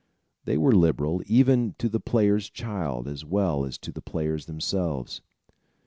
They were liberal, even to the player's child as well as to the players themselves.